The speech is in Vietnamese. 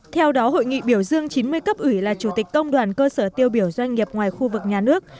theo đó hội nghị biểu dương chín mươi cấp ủy là chủ tịch công đoàn cơ sở tiêu biểu doanh nghiệp ngoài khu vực nhà nước